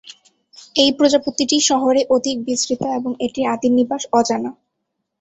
এই প্রজাতিটি শহরে অধিক বিস্তৃত এবং এটির আদি নিবাস অজানা।